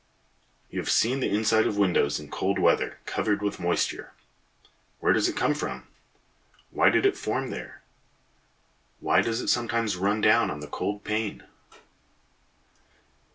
You have seen the inside of windows in cold weather covered with moisture. Where does it come from? Why did it form there? Why does it sometimes run down on the cold pane?